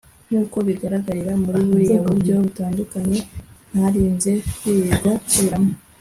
nk’uko bigaragarira muri buriya buryo butandukanye ntarinze kwirirwa nsubiramo